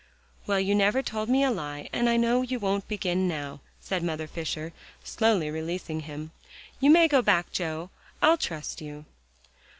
"Well, you never told me a lie, and I know you won't begin now," said Mother Fisher, slowly releasing him. "You may go back, Joe; I'll trust you."